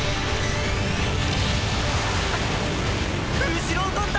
後ろを取った！